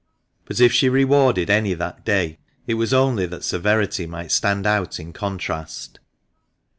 But if she rewarded any that day, it was only that severity might stand out in contrast.